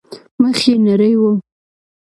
مخ يې نرى و.